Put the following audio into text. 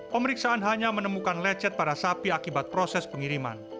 pemeriksaan hanya menemukan lecet pada sapi akibat proses pengiriman